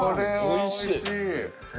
おいしい。